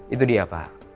itu dia pak